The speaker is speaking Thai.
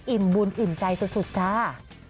บุญอิ่มใจสุดจ้า